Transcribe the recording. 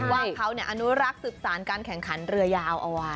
ว่าเขาอนุรักษ์สืบสารการแข่งขันเรือยาวเอาไว้